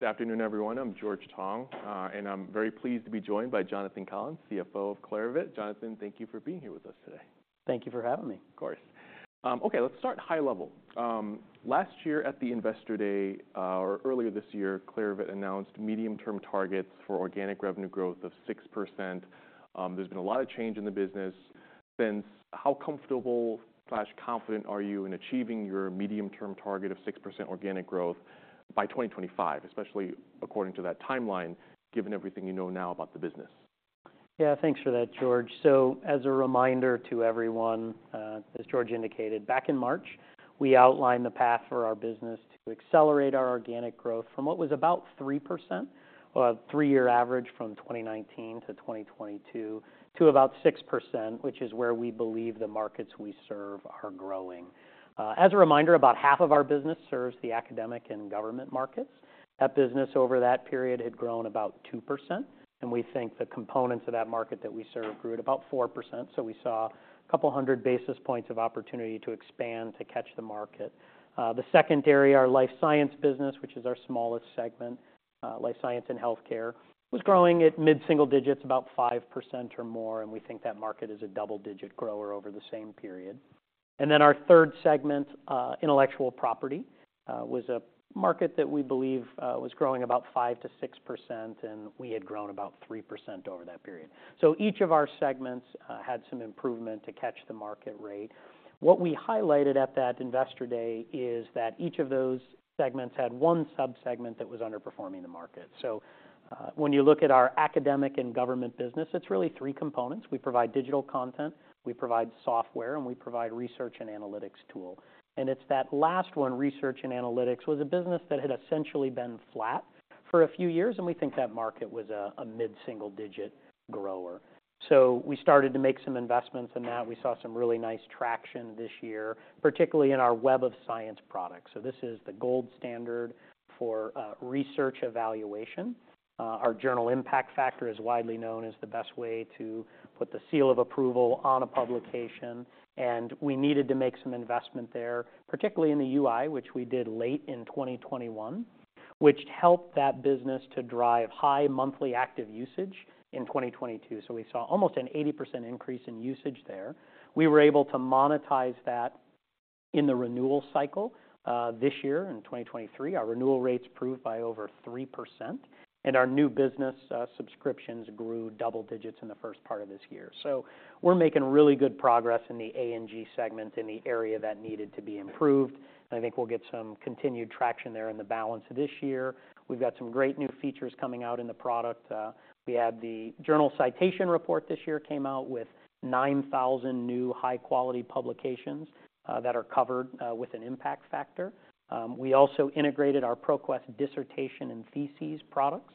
Good afternoon, everyone. I'm George Tong, and I'm very pleased to be joined by Jonathan Collins, CFO of Clarivate. Jonathan, thank you for being here with us today. Thank you for having me. Of course. Okay, let's start high level. Last year at the Investor Day, or earlier this year, Clarivate announced medium-term targets for organic revenue growth of 6%. There's been a lot of change in the business since. How comfortable or confident are you in achieving your medium-term target of 6% organic growth by 2025, especially according to that timeline, given everything you know now about the business? Yeah, thanks for that, George. So as a reminder to everyone, as George indicated, back in March, we outlined the path for our business to accelerate our organic growth from what was about 3%, or a three-year average from 2019-2022, to about 6%, which is where we believe the markets we serve are growing. As a reminder, about half of our business serves the academic and government markets. That business, over that period, had grown about 2%, and we think the components of that market that we serve grew at about 4%. So we saw a couple of hundred basis points of opportunity to expand to catch the market. The second area, our life science business, which is our smallest segment, life science and healthcare, was growing at mid-single digits, about 5% or more, and we think that market is a double-digit grower over the same period. Then our third segment, intellectual property, was a market that we believe was growing about 5%-6%, and we had grown about 3% over that period. Each of our segments had some improvement to catch the market rate. What we highlighted at that Investor Day is that each of those segments had one sub-segment that was underperforming the market. When you look at our academic and government business, it's really three components. We provide digital content, we provide software, and we provide research and analytics tool. And it's that last one, research and analytics, was a business that had essentially been flat for a few years, and we think that market was a mid-single digit grower. So we started to make some investments in that. We saw some really nice traction this year, particularly in our Web of Science products. So this is the gold standard for research evaluation. Our Journal Impact Factor is widely known as the best way to put the seal of approval on a publication, and we needed to make some investment there, particularly in the UI, which we did late in 2021, which helped that business to drive high monthly active usage in 2022. So we saw almost an 80% increase in usage there. We were able to monetize that in the renewal cycle. This year, in 2023, our renewal rates improved by over 3%, and our new business subscriptions grew double digits in the first part of this year. We're making really good progress in the A&G segment, in the area that needed to be improved. I think we'll get some continued traction there in the balance this year. We've got some great new features coming out in the product. We had the Journal Citation Reports this year came out with 9,000 new high-quality publications that are covered with an impact factor. We also integrated our ProQuest Dissertations and Theses products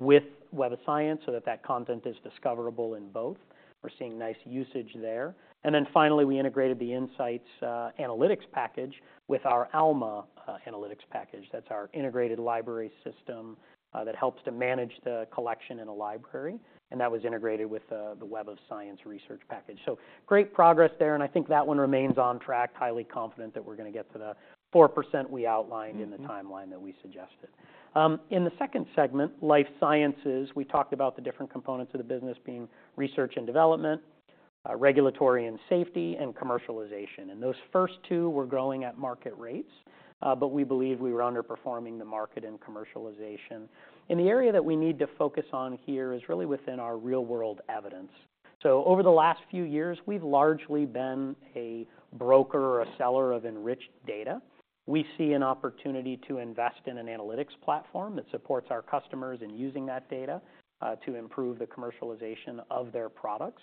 with Web of Science so that that content is discoverable in both. We're seeing nice usage there. And then finally, we integrated the InCites analytics package with our Alma analytics package. That's our integrated library system that helps to manage the collection in a library, and that was integrated with the Web of Science research package. So great progress there, and I think that one remains on track. Highly confident that we're going to get to the 4% we outlined in the timeline that we suggested. In the second segment, life sciences, we talked about the different components of the business being research and development, regulatory and safety, and commercialization. And those first two were growing at market rates, but we believe we were underperforming the market in commercialization. And the area that we need to focus on here is really within our real-world evidence. So over the last few years, we've largely been a broker or a seller of enriched data. We see an opportunity to invest in an analytics platform that supports our customers in using that data, to improve the commercialization of their products.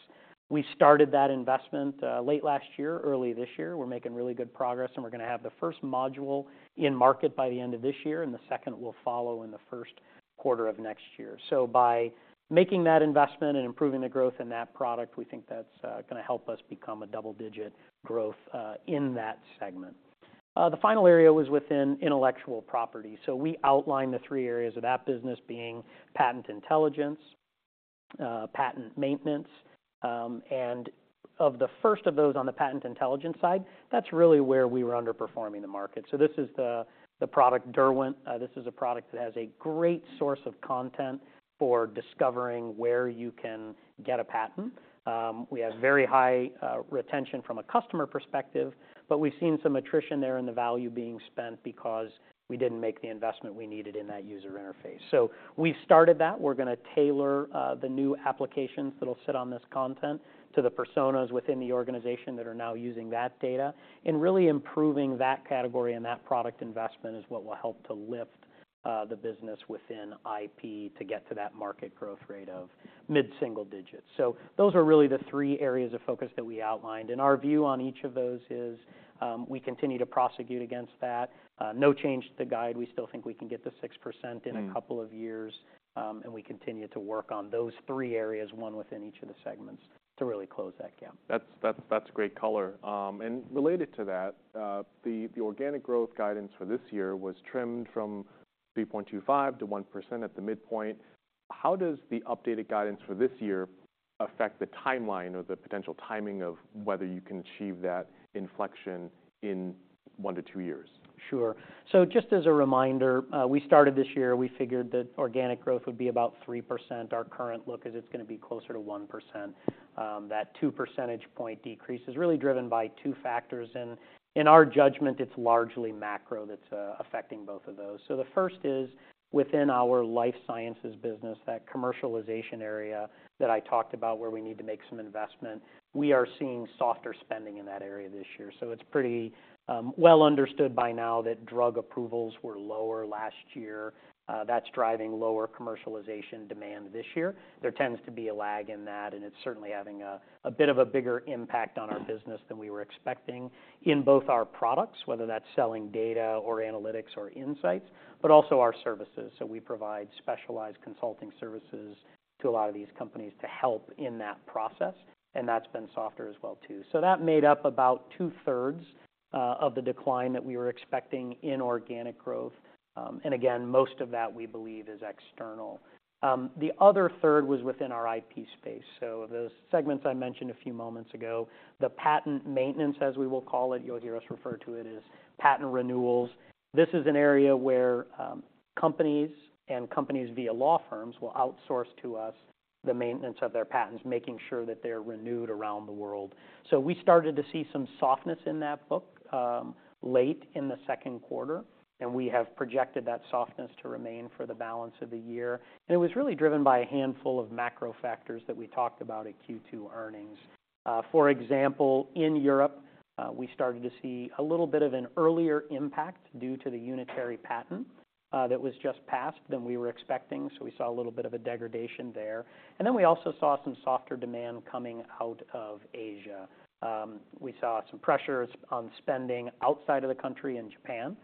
We started that investment, late last year, early this year. We're making really good progress, and we're going to have the first module in market by the end of this year, and the second will follow in the first quarter of next year. So by making that investment and improving the growth in that product, we think that's going to help us become a double-digit growth, in that segment. The final area was within intellectual property. So we outlined the three areas of that business being patent intelligence, patent maintenance, and of the first of those on the patent intelligence side, that's really where we were underperforming the market. So this is the product, Derwent. This is a product that has a great source of content for discovering where you can get a patent. We have very high retention from a customer perspective, but we've seen some attrition there in the value being spent because we didn't make the investment we needed in that user interface. So we started that. We're going to tailor the new applications that will sit on this content to the personas within the organization that are now using that data. And really improving that category and that product investment is what will help to lift the business within IP to get to that market growth rate of mid-single digits. So those are really the three areas of focus that we outlined, and our view on each of those is, we continue to prosecute against that. No change to guide. We still think we can get to 6% in a couple of years, and we continue to work on those three areas, one within each of the segments, to really close that gap. That's great color. And related to that, the organic growth guidance for this year was trimmed from 3.25%-1% at the midpoint. How does the updated guidance for this year affect the timeline or the potential timing of whether you can achieve that inflection in 1-2 years? Sure. So just as a reminder, we started this year, we figured that organic growth would be about 3%. Our current look is it's gonna be closer to 1%. That 2 percentage point decrease is really driven by two factors, and in our judgment, it's largely macro that's affecting both of those. So the first is within our life sciences business, that commercialization area that I talked about, where we need to make some investment. We are seeing softer spending in that area this year. So it's pretty well understood by now that drug approvals were lower last year. That's driving lower commercialization demand this year. There tends to be a lag in that, and it's certainly having a bit of a bigger impact on our business than we were expecting in both our products, whether that's selling data or analytics or insights, but also our services. So we provide specialized consulting services to a lot of these companies to help in that process, and that's been softer as well, too. So that made up about two-thirds of the decline that we were expecting in organic growth. And again, most of that we believe is external. The other third was within our IP space. So those segments I mentioned a few moments ago, the patent maintenance, as we will call it, you'll hear us refer to it as patent renewals. This is an area where companies and companies via law firms will outsource to us the maintenance of their patents, making sure that they're renewed around the world. So we started to see some softness in that book late in the second quarter, and we have projected that softness to remain for the balance of the year. And it was really driven by a handful of macro factors that we talked about at Q2 earnings. For example, in Europe, we started to see a little bit of an earlier impact due to the Unitary Patent that was just passed, than we were expecting, so we saw a little bit of a degradation there. And then we also saw some softer demand coming out of Asia. We saw some pressures on spending outside of the country, in Japan.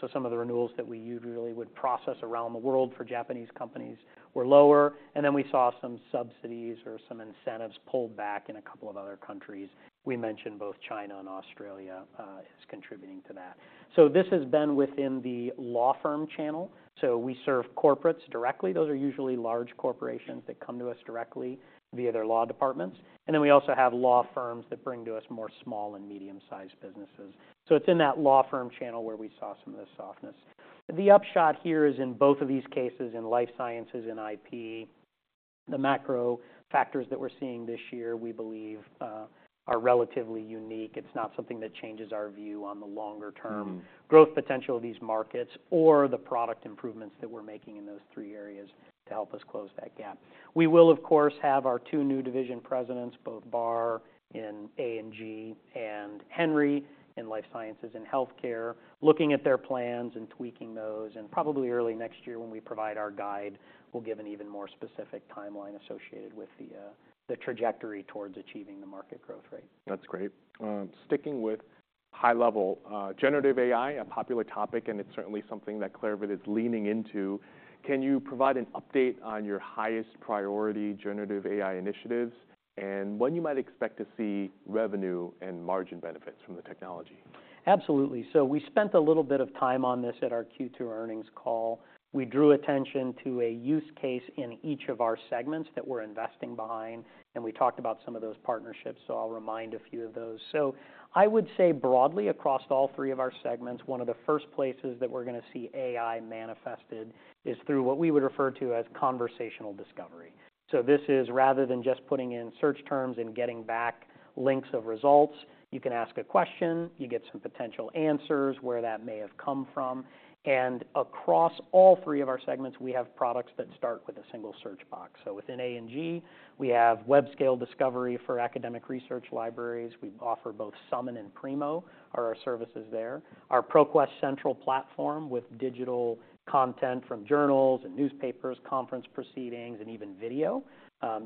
So some of the renewals that we usually would process around the world for Japanese companies were lower, and then we saw some subsidies or some incentives pulled back in a couple of other countries. We mentioned both China and Australia as contributing to that. So this has been within the law firm channel. So we serve corporates directly. Those are usually large corporations that come to us directly via their law departments. And then we also have law firms that bring to us more small and medium-sized businesses. So it's in that law firm channel where we saw some of the softness. The upshot here is, in both of these cases, in life sciences and IP, the macro factors that we're seeing this year, we believe, are relatively unique. It's not something that changes our view on the longer term. Mm-hmm. Growth potential of these markets or the product improvements that we're making in those three areas to help us close that gap. We will, of course, have our two new division presidents, Bar in A&G, and Henry in Life Sciences and Healthcare, looking at their plans and tweaking those. And probably early next year, when we provide our guide, we'll give an even more specific timeline associated with the, the trajectory towards achieving the market growth rate. That's great. Sticking with high level, generative AI, a popular topic, and it's certainly something that Clarivate is leaning into. Can you provide an update on your highest priority generative AI initiatives, and when you might expect to see revenue and margin benefits from the technology? Absolutely. So we spent a little bit of time on this at our Q2 earnings call. We drew attention to a use case in each of our segments that we're investing behind, and we talked about some of those partnerships, so I'll remind a few of those. So I would say broadly across all three of our segments, one of the first places that we're gonna see AI manifested is through what we would refer to as Conversational Discovery. So this is rather than just putting in search terms and getting back links of results, you can ask a question, you get some potential answers, where that may have come from, and across all three of our segments, we have products that start with a single search box. So within A&G, we have web scale discovery for academic research libraries. We offer both Summon and Primo services there. Our ProQuest Central platform, with digital content from journals and newspapers, conference proceedings, and even video,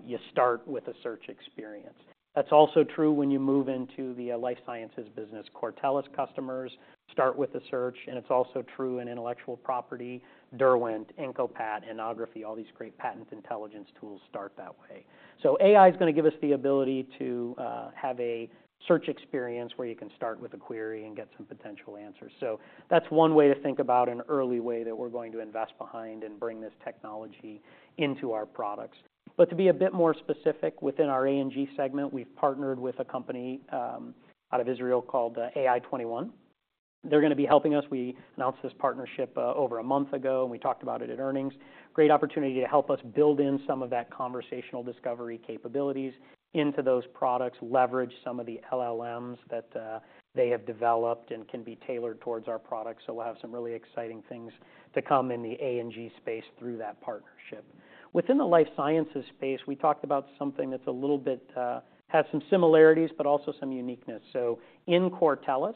you start with a search experience. That's also true when you move into the life sciences business. Cortellis customers start with a search, and it's also true in intellectual property. Derwent, IncoPat, and Innography, all these great patent intelligence tools start that way. So AI is gonna give us the ability to have a search experience, where you can start with a query and get some potential answers. So that's one way to think about an early way that we're going to invest behind and bring this technology into our products. But to be a bit more specific, within our A&G segment, we've partnered with a company out of Israel called AI21. They're gonna be helping us. We announced this partnership over a month ago, and we talked about it at earnings. Great opportunity to help us build in some of that conversational discovery capabilities into those products, leverage some of the LLMs that they have developed and can be tailored towards our products. So we'll have some really exciting things to come in the A&G space through that partnership. Within the life sciences space, we talked about something that's a little bit has some similarities, but also some uniqueness. So in Cortellis,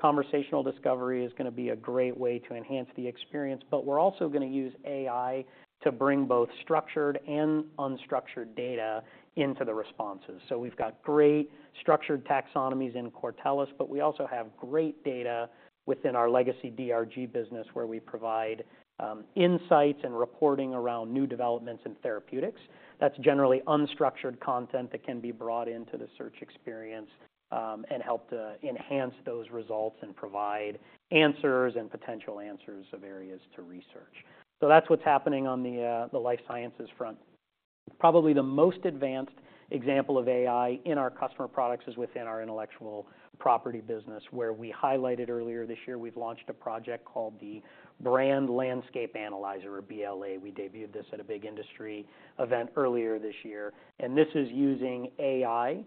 conversational discovery is gonna be a great way to enhance the experience, but we're also gonna use AI to bring both structured and unstructured data into the responses. So we've got great structured taxonomies in Cortellis, but we also have great data within our legacy DRG business, where we provide insights and reporting around new developments in therapeutics. That's generally unstructured content that can be brought into the search experience, and help to enhance those results and provide answers and potential answers of areas to research. So that's what's happening on the life sciences front. Probably the most advanced example of AI in our customer products is within our intellectual property business, where we highlighted earlier this year, we've launched a project called the Brand Landscape Analyzer, or BLA. We debuted this at a big industry event earlier this year, and this is using AI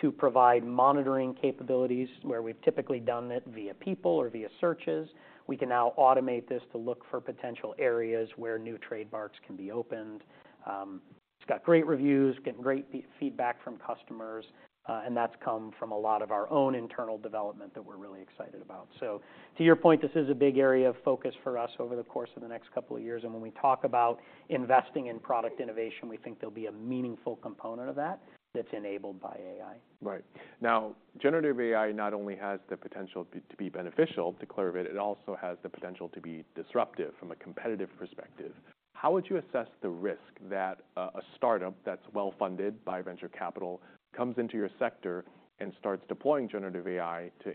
to provide monitoring capabilities. Where we've typically done it via people or via searches, we can now automate this to look for potential areas where new trademarks can be opened. It's got great reviews, getting great feedback from customers, and that's come from a lot of our own internal development that we're really excited about. So to your point, this is a big area of focus for us over the course of the next couple of years, and when we talk about investing in product innovation, we think there'll be a meaningful component of that that's enabled by AI. Right. Now, Generative AI not only has the potential to be beneficial to Clarivate, it also has the potential to be disruptive from a competitive perspective. How would you assess the risk that a startup that's well-funded by venture capital comes into your sector and starts deploying Generative AI to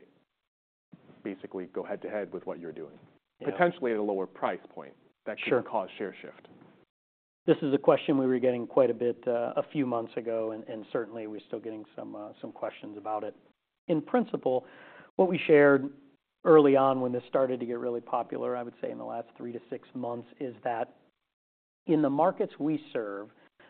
basically go head-to-head with what you're doing? Yeah. Potentially at a lower price point. Sure. That could cause share shift. This is a question we were getting quite a bit, a few months ago, and certainly we're still getting some, some questions about it. In principle, what we shared early on when this started to get really popular, I would say in the last 3-6 months, is that in the markets we serve,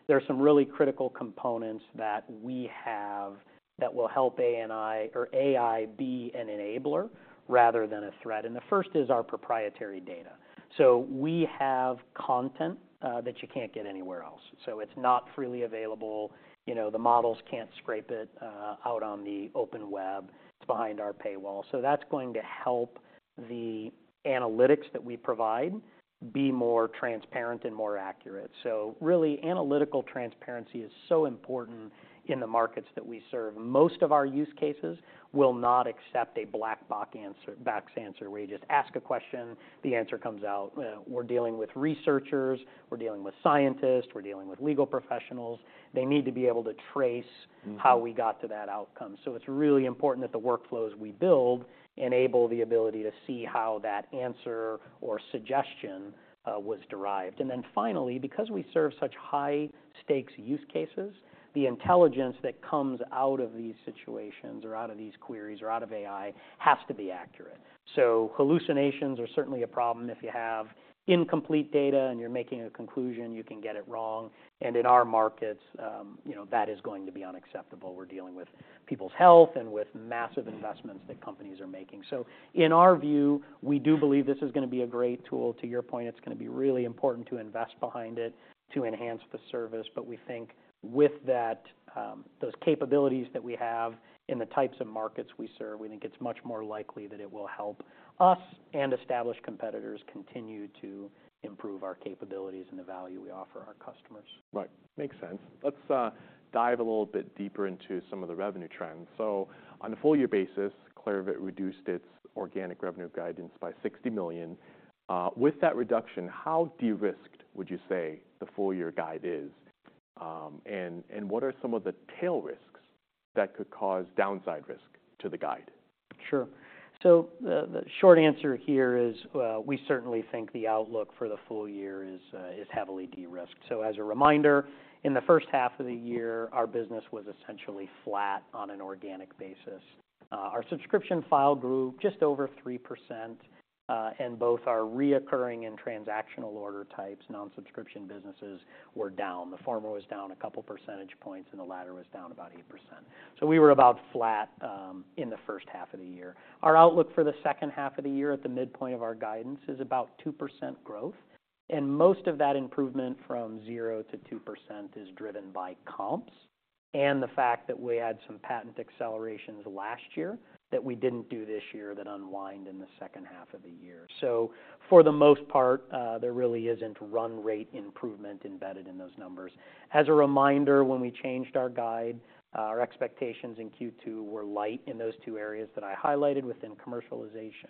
there are some really critical components that we have that will help GenAI or AI be an enabler rather than a threat, and the first is our proprietary data. So we have content, that you can't get anywhere else, so it's not freely available. You know, the models can't scrape it, out on the open web. It's behind our paywall. So that's going to help the analytics that we provide be more transparent and more accurate. So really, analytical transparency is so important in the markets that we serve. Most of our use cases will not accept a black box answer, where you just ask a question, the answer comes out. We're dealing with researchers, we're dealing with scientists, we're dealing with legal professionals. They need to be able to trace. Mm-hmm. How we got to that outcome. So it's really important that the workflows we build enable the ability to see how that answer or suggestion was derived. And then finally, because we serve such high-stakes use cases, the intelligence that comes out of these situations or out of these queries or out of AI has to be accurate. So hallucinations are certainly a problem. If you have incomplete data and you're making a conclusion, you can get it wrong, and in our markets, you know, that is going to be unacceptable. We're dealing with people's health and with massive. Mm-hmm Investments that companies are making. So in our view, we do believe this is gonna be a great tool. To your point, it's gonna be really important to invest behind it, to enhance the service, but we think with that, those capabilities that we have in the types of markets we serve, we think it's much more likely that it will help us and established competitors continue to improve our capabilities and the value we offer our customers. Right. Makes sense. Let's dive a little bit deeper into some of the revenue trends. So on a full year basis, Clarivate reduced its organic revenue guidance by $60 million. With that reduction, how de-risked would you say the full year guide is? And what are some of the tail risks that could cause downside risk to the guide? Sure. So the short answer here is, we certainly think the outlook for the full year is heavily de-risked. So as a reminder, in the first half of the year, our business was essentially flat on an organic basis. Our subscription file grew just over 3%, and both our recurring and transactional order types, non-subscription businesses, were down. The former was down a couple percentage points, and the latter was down about 8%. So we were about flat in the first half of the year. Our outlook for the second half of the year, at the midpoint of our guidance, is about 2% growth, and most of that improvement from 0% -2% is driven by comps and the fact that we had some patent accelerations last year that we didn't do this year that unwind in the second half of the year. So for the most part, there really isn't run rate improvement embedded in those numbers. As a reminder, when we changed our guide, our expectations in Q2 were light in those two areas that I highlighted within commercialization,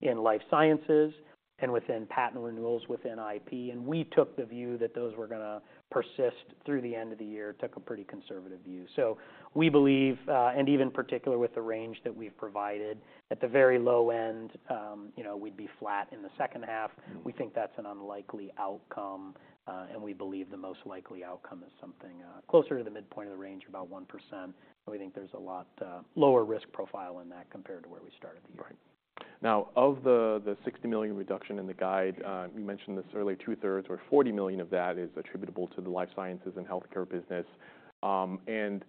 in life sciences and within patent renewals within IP, and we took the view that those were gonna persist through the end of the year. Took a pretty conservative view. So we believe, and even particularly with the range that we've provided, at the very low end, you know, we'd be flat in the second half. Mm-hmm. We think that's an unlikely outcome, and we believe the most likely outcome is something closer to the midpoint of the range, about 1%, and we think there's a lot lower risk profile in that compared to where we started the year. Right. Now, of the $60 million reduction in the guide, you mentioned this earlier, two-thirds or $40 million of that is attributable to the life sciences and healthcare business. And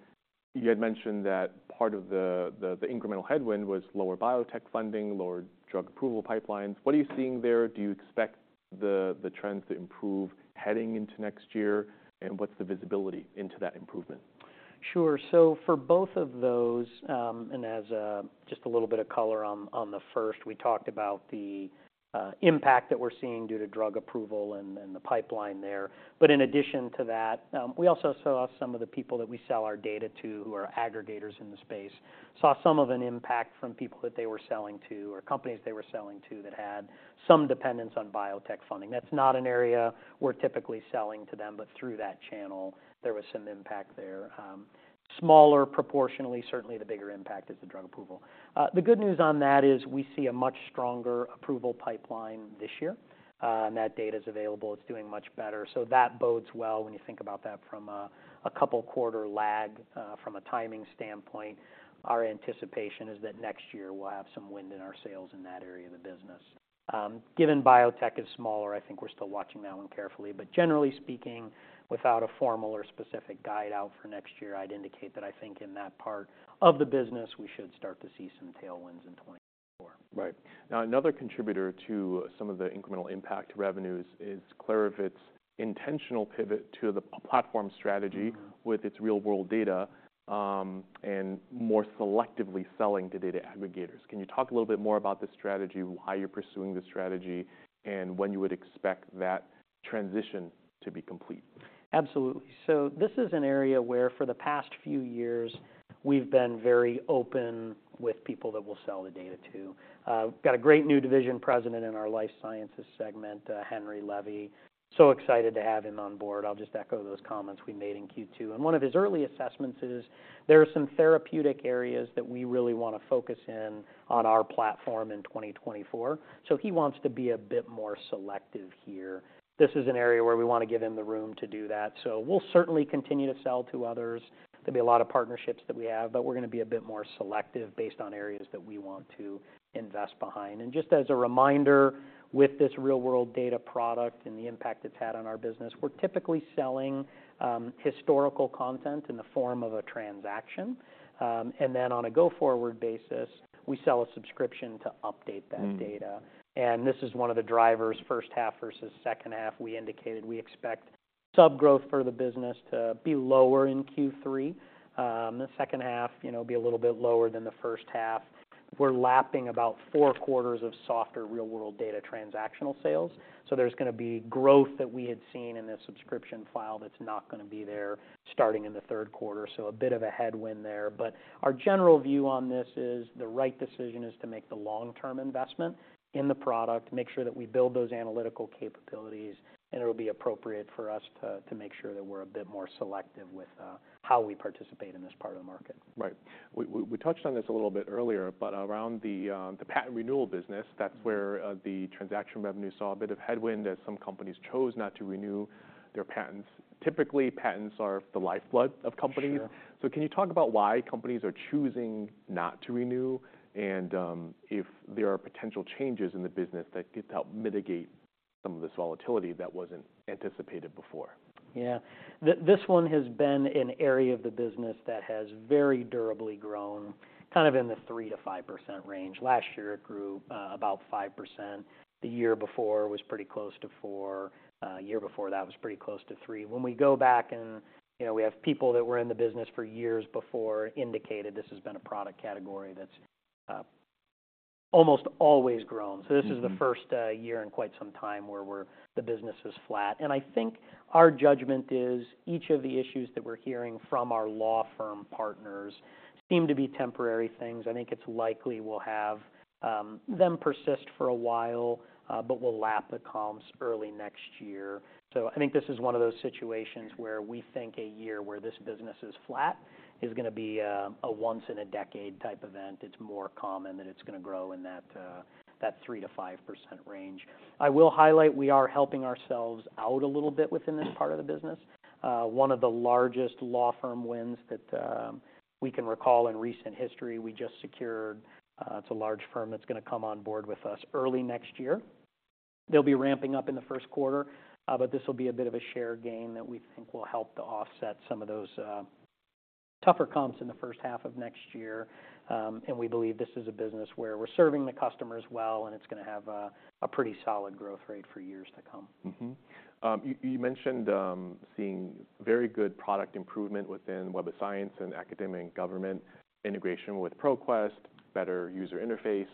you had mentioned that part of the incremental headwind was lower biotech funding, lower drug approval pipelines. What are you seeing there? Do you expect the trends to improve heading into next year, and what's the visibility into that improvement? Sure. So for both of those, and as just a little bit of color on the first, we talked about the impact that we're seeing due to drug approval and the pipeline there. But in addition to that, we also saw some of the people that we sell our data to, who are aggregators in the space, saw some of an impact from people that they were selling to or companies they were selling to that had some dependence on biotech funding. That's not an area we're typically selling to them, but through that channel, there was some impact there. Smaller proportionally, certainly the bigger impact is the drug approval. The good news on that is we see a much stronger approval pipeline this year, and that data is available, it's doing much better. So that bodes well when you think about that from a couple quarter lag from a timing standpoint. Our anticipation is that next year we'll have some wind in our sails in that area of the business. Given biotech is smaller, I think we're still watching that one carefully. But generally speaking, without a formal or specific guide out for next year, I'd indicate that I think in that part of the business, we should start to see some tailwinds in 2024. Right. Now, another contributor to some of the incremental impact revenues is Clarivate's intentional pivot to the platform strategy with its Real-World Data, and more selectively selling to data aggregators. Can you talk a little bit more about this strategy, why you're pursuing this strategy, and when you would expect that transition to be complete? Absolutely. So this is an area where for the past few years, we've been very open with people that we'll sell the data to. We've got a great new division president in our life sciences segment, Henry Levy. So excited to have him on board. I'll just echo those comments we made in Q2. And one of his early assessments is there are some therapeutic areas that we really want to focus in on our platform in 2024, so he wants to be a bit more selective here. This is an area where we want to give him the room to do that, so we'll certainly continue to sell to others. There'll be a lot of partnerships that we have, but we're gonna be a bit more selective based on areas that we want to invest behind. Just as a reminder, with this Real-World Data product and the impact it's had on our business, we're typically selling historical content in the form of a transaction. Then on a go-forward basis, we sell a subscription to update that data. Mm. This is one of the drivers, first half versus second half. We indicated we expect sub-growth for the business to be lower in Q3. The second half, you know, be a little bit lower than the first half. We're lapping about four quarters of softer real-world data transactional sales, so there's gonna be growth that we had seen in the subscription file that's not gonna be there starting in the third quarter. A bit of a headwind there. Our general view on this is, the right decision is to make the long-term investment in the product, make sure that we build those analytical capabilities, and it will be appropriate for us to, to make sure that we're a bit more selective with, you know, how we participate in this part of the market. Right. We touched on this a little bit earlier, but around the patent renewal business, that's where the transaction revenue saw a bit of headwind as some companies chose not to renew their patents. Typically, patents are the lifeblood of companies. Sure. Can you talk about why companies are choosing not to renew, and if there are potential changes in the business that could help mitigate some of this volatility that wasn't anticipated before? Yeah. This one has been an area of the business that has very durably grown, kind of in the 3%-5% range. Last year, it grew about 5%. The year before was pretty close to 4. Year before that was pretty close to 3. When we go back and, you know, we have people that were in the business for years before, indicated this has been a product category that's almost always grown. Mm-hmm. So this is the first year in quite some time where the business is flat. And I think our judgment is, each of the issues that we're hearing from our law firm partners seem to be temporary things. I think it's likely we'll have them persist for a while, but we'll lap the comps early next year. So I think this is one of those situations where we think a year where this business is flat is gonna be a once in a decade type event. It's more common that it's gonna grow in that 3%-5% range. I will highlight, we are helping ourselves out a little bit within this part of the business. One of the largest law firm wins that we can recall in recent history, we just secured. It's a large firm that's gonna come on board with us early next year. They'll be ramping up in the first quarter, but this will be a bit of a share gain that we think will help to offset some of those tougher comps in the first half of next year. And we believe this is a business where we're serving the customers well, and it's gonna have a pretty solid growth rate for years to come. Mm-hmm. You mentioned seeing very good product improvement within Web of Science and Academia and Government integration with ProQuest, better user interface.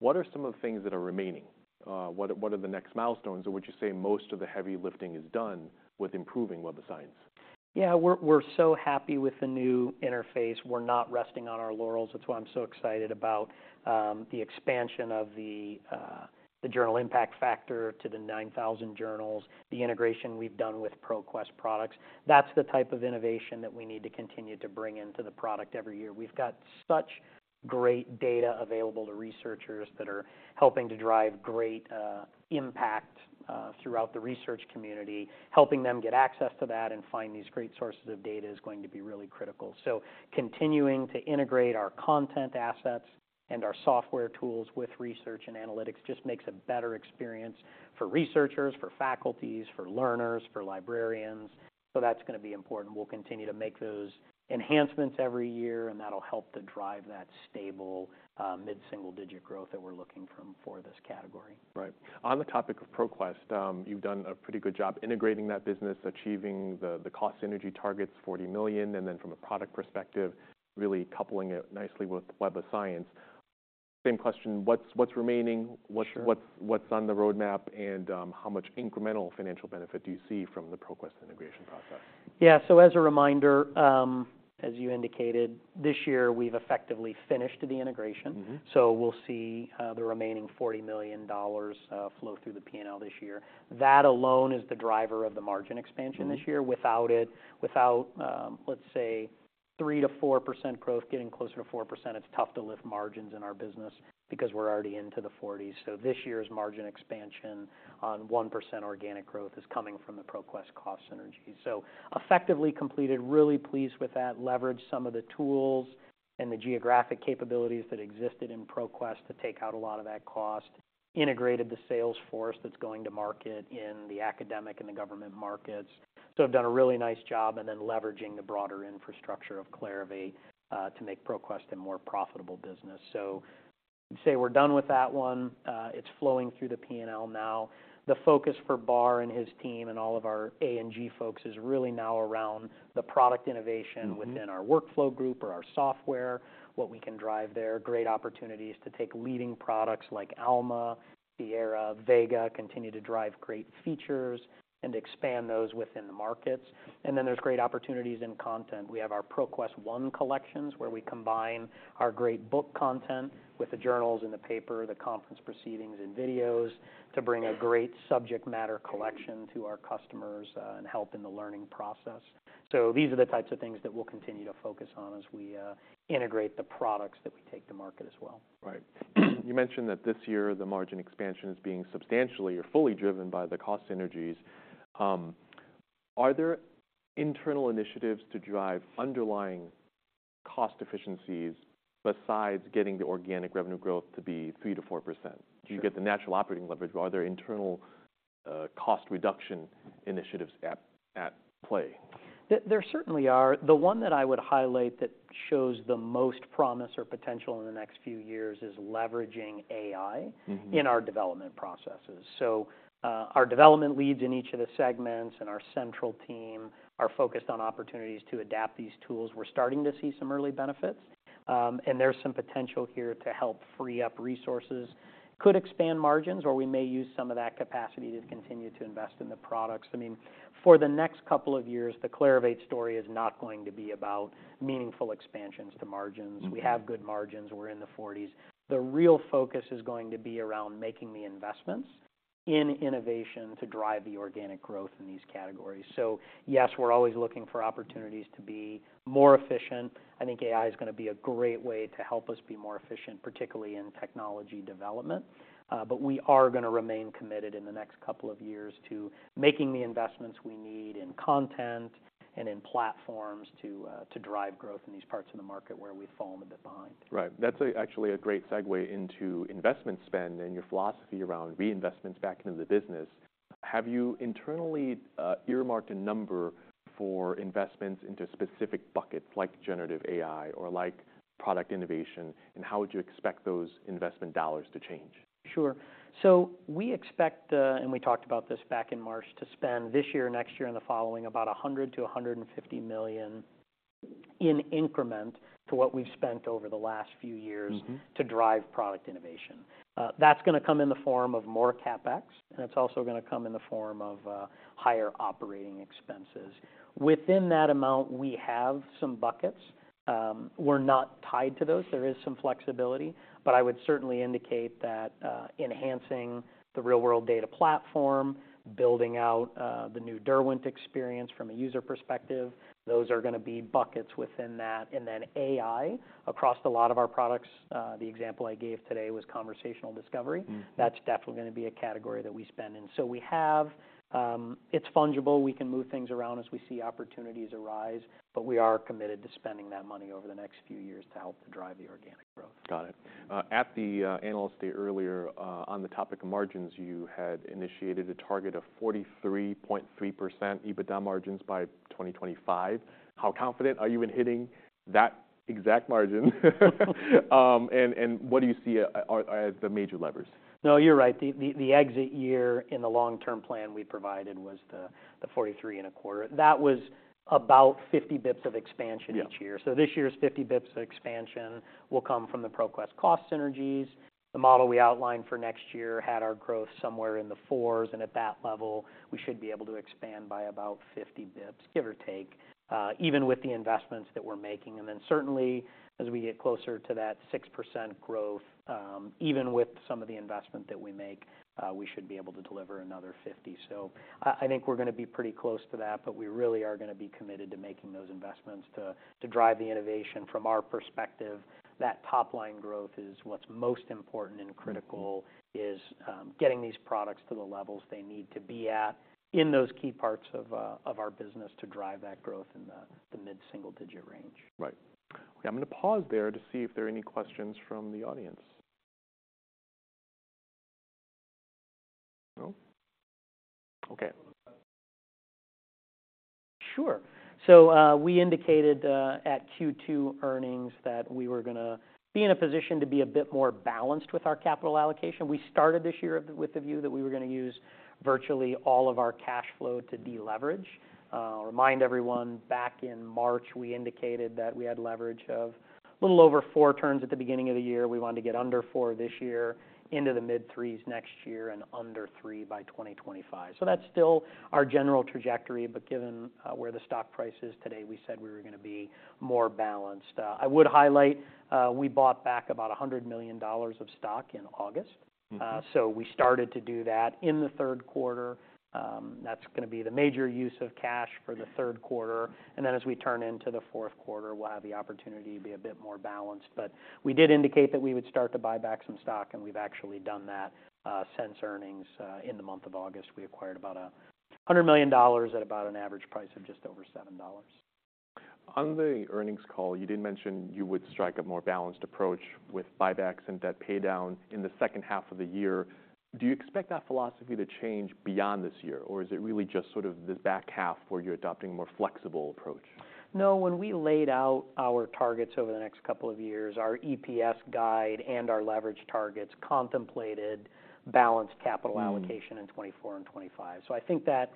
What are some of the things that are remaining? What are the next milestones, or would you say most of the heavy lifting is done with improving Web of Science? Yeah, we're so happy with the new interface. We're not resting on our laurels. That's why I'm so excited about the expansion of the Journal Impact Factor to the 9,000 journals, the integration we've done with ProQuest products. That's the type of innovation that we need to continue to bring into the product every year. We've got such great data available to researchers that are helping to drive great impact throughout the research community. Helping them get access to that and find these great sources of data is going to be really critical. So continuing to integrate our content assets and our software tools with research and analytics just makes a better experience for researchers, for faculties, for learners, for librarians. So that's gonna be important. We'll continue to make those enhancements every year, and that'll help to drive that stable, mid-single-digit growth that we're looking for this category. Right. On the topic of ProQuest, you've done a pretty good job integrating that business, achieving the cost synergy targets, $40 million, and then from a product perspective, really coupling it nicely with Web of Science. Same question, what's remaining? Sure. What's on the roadmap, and how much incremental financial benefit do you see from the ProQuest integration process? Yeah. So as a reminder, as you indicated, this year, we've effectively finished the integration. Mm-hmm. So we'll see the remaining $40 million flow through the P&L this year. That alone is the driver of the margin expansion this year. Without it, without, let's say 3%-4% growth, getting closer to 4%, it's tough to lift margins in our business because we're already into the 40s. So this year's margin expansion on 1% organic growth is coming from the ProQuest cost synergies. So effectively completed, really pleased with that, leveraged some of the tools and the geographic capabilities that existed in ProQuest to take out a lot of that cost, integrated the sales force that's going to market in the academic and the government markets. So we've done a really nice job and then leveraging the broader infrastructure of Clarivate to make ProQuest a more profitable business. So I'd say we're done with that one. It's flowing through the P&L now. The focus for Bar and his team and all of our A&G folks is really now around the product innovation. Mm-hmm. Within our workflow group or our software, what we can drive there. Great opportunities to take leading products like Alma, Sierra, Vega, continue to drive great features and expand those within the markets. And then there's great opportunities in content. We have our ProQuest One collections, where we combine our great book content with the journals and the paper, the conference proceedings and videos, to bring a great subject matter collection to our customers, and help in the learning process. So these are the types of things that we'll continue to focus on as we, integrate the products that we take to market as well. Right. You mentioned that this year, the margin expansion is being substantially or fully driven by the cost synergies. Are there internal initiatives to drive underlying cost efficiencies besides getting the organic revenue growth to be 3%-4%? Sure. Do you get the natural operating leverage, or are there internal, cost reduction initiatives at play? There, there certainly are. The one that I would highlight that shows the most promise or potential in the next few years is leveraging AI. Mm-hmm In our development processes. So, our development leads in each of the segments and our central team are focused on opportunities to adapt these tools. We're starting to see some early benefits, and there's some potential here to help free up resources. Could expand margins, or we may use some of that capacity to continue to invest in the products. I mean, for the next couple of years, the Clarivate story is not going to be about meaningful expansions to margins. Mm-hmm. We have good margins. We're in the 40s%. The real focus is going to be around making the investments in innovation to drive the organic growth in these categories. So yes, we're always looking for opportunities to be more efficient. I think AI is going to be a great way to help us be more efficient, particularly in technology development. But we are going to remain committed in the next couple of years to making the investments we need in content and in platforms to drive growth in these parts of the market where we've fallen a bit behind. Right. That's actually a great segue into investment spend and your philosophy around reinvestments back into the business. Have you internally earmarked a number for investments into specific buckets, like generative AI or like product innovation, and how would you expect those investment dollars to change? Sure. So we expect, and we talked about this back in March, to spend this year, next year, and the following, about $100 million-$150 million in increment to what we've spent over the last few years. Mm-hmm To drive product innovation. That's going to come in the form of more CapEx, and it's also going to come in the form of higher operating expenses. Within that amount, we have some buckets. We're not tied to those. There is some flexibility, but I would certainly indicate that enhancing the Real-World Data platform, building out the new Derwent experience from a user perspective, those are going to be buckets within that. And then AI, across a lot of our products, the example I gave today was Conversational Discovery. Mm. That's definitely going to be a category that we spend in. So we have. It's fungible. We can move things around as we see opportunities arise, but we are committed to spending that money over the next few years to help to drive the organic growth. Got it. At the analyst day earlier, on the topic of margins, you had initiated a target of 43.3% EBITDA margins by 2025. How confident are you in hitting that exact margin? And what do you see as the major levers? No, you're right. The exit year in the long-term plan we provided was the 43.25%. That was about 50 basis points of expansion each year. Yeah. This year's 50 basis points of expansion will come from the ProQuest cost synergies. The model we outlined for next year had our growth somewhere in the 4s, and at that level, we should be able to expand by about 50 basis points, give or take, even with the investments that we're making. Certainly, as we get closer to that 6% growth, even with some of the investment that we make, we should be able to deliver another 50 basis points. I think we're going to be pretty close to that, but we really are going to be committed to making those investments to drive the innovation. From our perspective, that top-line growth is what's most important. Mm-hmm And critical is getting these products to the levels they need to be at in those key parts of our business to drive that growth in the mid-single-digit range. Right. I'm going to pause there to see if there are any questions from the audience. No? Okay. Sure. So, we indicated at Q2 earnings that we were going to be in a position to be a bit more balanced with our capital allocation. We started this year with the view that we were going to use virtually all of our cash flow to deleverage. I'll remind everyone, back in March, we indicated that we had leverage of a little over 4x turns at the beginning of the year. We wanted to get under 4x this year, into the mid-3xs next year, and under 3x by 2025. So that's still our general trajectory, but given where the stock price is today, we said we were going to be more balanced. I would highlight, we bought back about $100 million of stock in August. Mm-hmm. So we started to do that in the third quarter. That's going to be the major use of cash for the third quarter, and then as we turn into the fourth quarter, we'll have the opportunity to be a bit more balanced. But we did indicate that we would start to buy back some stock, and we've actually done that since earnings. In the month of August, we acquired about $100 million at about an average price of just over $7. On the earnings call, you did mention you would strike a more balanced approach with buybacks and debt pay down in the second half of the year. Do you expect that philosophy to change beyond this year, or is it really just sort of this back half where you're adopting a more flexible approach? No, when we laid out our targets over the next couple of years, our EPS guide and our leverage targets contemplated balanced capital allocation. Mm-hmm In 2024 and 2025. So I think that,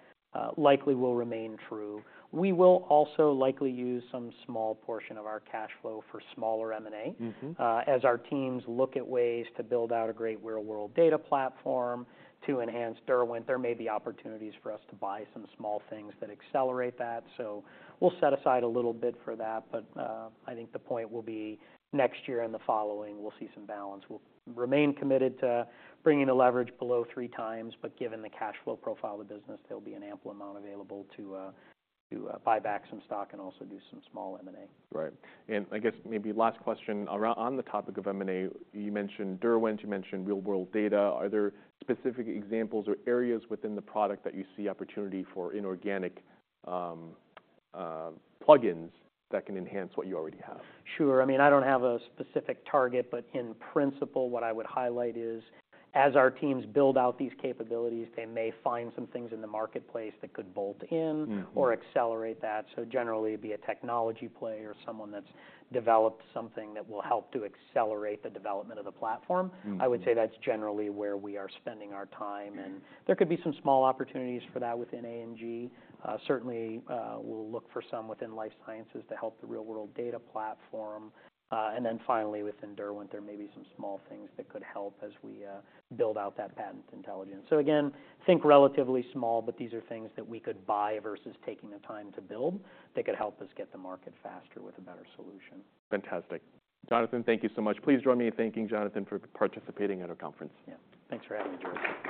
likely will remain true. We will also likely use some small portion of our cash flow for smaller M&A. Mm-hmm. As our teams look at ways to build out a great real-world data platform to enhance Derwent, there may be opportunities for us to buy some small things that accelerate that. So we'll set aside a little bit for that, but I think the point will be next year and the following; we'll see some balance. We'll remain committed to bringing the leverage below 3x, but given the cash flow profile of the business, there'll be an ample amount available to buy back some stock and also do some small M&A. Right. And I guess maybe last question, around on the topic of M&A, you mentioned Derwent, you mentioned Real-World Data. Are there specific examples or areas within the product that you see opportunity for inorganic plugins that can enhance what you already have? Sure. I mean, I don't have a specific target, but in principle, what I would highlight is, as our teams build out these capabilities, they may find some things in the marketplace that could bolt in- Mm-hmm... or accelerate that. Generally, it'd be a technology play or someone that's developed something that will help to accelerate the development of the platform. Mm-hmm. I would say that's generally where we are spending our time, and there could be some small opportunities for that within A&G. Certainly, we'll look for some within Life Sciences to help the Real-World Data platform. And then finally, within Derwent, there may be some small things that could help as we build out that Patent Intelligence. So again, think relatively small, but these are things that we could buy versus taking the time to build, that could help us get to market faster with a better solution. Fantastic. Jonathan, thank you so much. Please join me in thanking Jonathan for participating at our conference. Yeah. Thanks for having me, George.